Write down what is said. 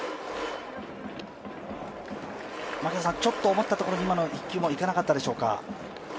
思ったところに今の１球も行かなかったでしょうか？